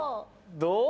どう？